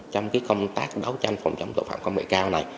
trong công tác đấu tranh phòng chống tội phạm công nghệ cao này